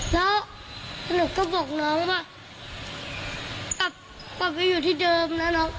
แล้วหนูก็บอกน้องว่ากลับไปอยู่ที่เดิมนะ